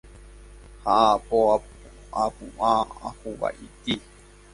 ha apo apu'ã ahuvaitĩ